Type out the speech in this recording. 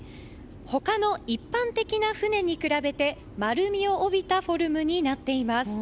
他の一般的な船に比べて丸みを帯びたフォルムになっています。